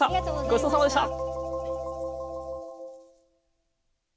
ごちそうさまでした。